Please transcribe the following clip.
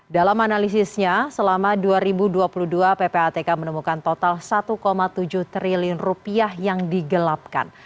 dalam analisisnya selama dua ribu dua puluh dua ppatk menemukan total satu tujuh triliun rupiah yang digelapkan